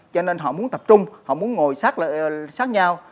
cho nên họ muốn tập trung họ muốn ngồi sát nhau